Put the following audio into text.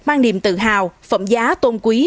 mang niềm tự hào phẩm giá tôn quý